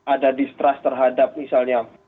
ada distrust terhadap misalnya